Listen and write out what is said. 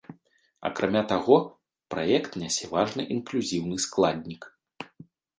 Акрамя таго, праект нясе важны інклюзіўны складнік.